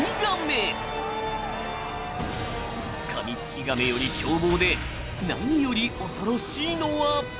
カミツキガメより凶暴で何より恐ろしいのは。